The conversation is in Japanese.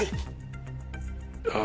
あ。